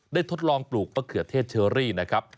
ทดลองปลูกมะเขือเทศเชอรี่นะครับ